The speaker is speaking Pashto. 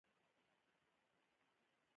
په فېسبوک کې خلک د خپلو تجربو بیان کوي